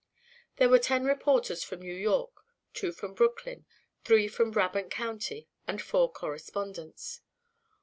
There were ten reporters from New York, two from Brooklyn, three from Brabant County, and four correspondents.